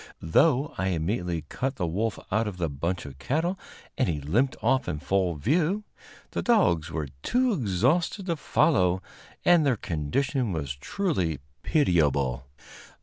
Though I immediately cut the wolf out of the bunch of cattle and he limped off in full view, the dogs were too exhausted to follow, and their condition was truly pitiable.